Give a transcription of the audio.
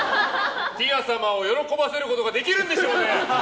ティア様を喜ばせることができるんでしょうね？